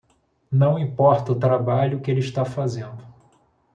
Não importa o trabalho que ele está fazendo